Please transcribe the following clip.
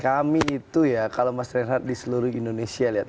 kami itu ya kalau mas reinhardt di seluruh indonesia lihat